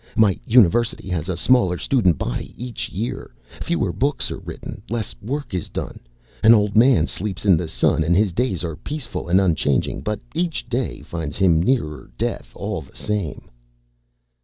My university has a smaller student body each year. Fewer books are written. Less work is done. An old man sleeps in the sun and his days are peaceful and unchanging, but each day finds him nearer death all the same."